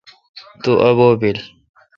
تو ابو° بیلہ۔